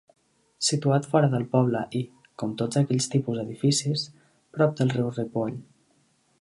Situat fora del poble i, com tots aquests tipus edificis, prop del riu Ripoll.